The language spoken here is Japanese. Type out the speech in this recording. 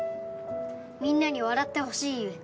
みんなに笑ってほしいゆえ